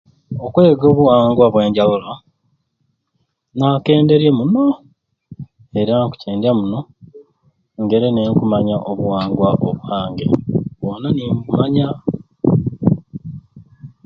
Okwega obuwangwa obwanjawulo nakwenderye muno era nkukyendya muno njena nekumanya obuwangwa obwange bwona nembumanya